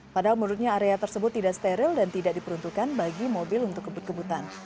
padahal menurutnya area tersebut tidak steril dan tidak diperuntukkan bagi mobil untuk kebut kebutan